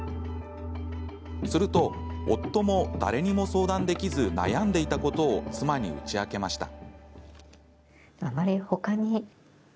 すると、夫も誰にも相談できず悩んでいたことを妻に打ち明けました。